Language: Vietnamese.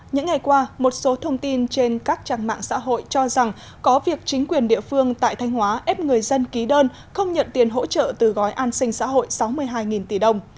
những ngày qua một số thông tin trên các trang mạng xã hội cho rằng có việc chính quyền địa phương tại thanh hóa ép người dân ký đơn không nhận tiền hỗ trợ từ gói an sinh xã hội sáu mươi hai tỷ đồng